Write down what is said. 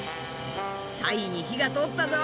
タイに火が通ったぞ。